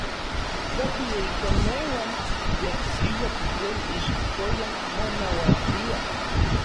Tla tiikoneuan yen siuatl tlen ixkoyan monauatia.